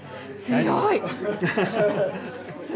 すごい！